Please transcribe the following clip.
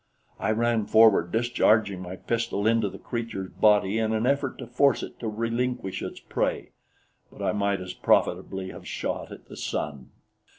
I ran forward, discharging my pistol into the creature's body in an effort to force it to relinquish its prey; but I might as profitably have shot at the sun.